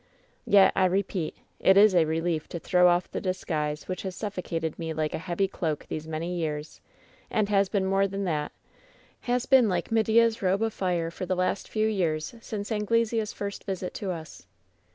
Yet, I repeat, it is a relief to throw off the disguise which has suffocated me like a heavy cloak these many years ; and has been more than that — ^has been like Medea's robe of fire for the last few years since Anglssea's first visit to us.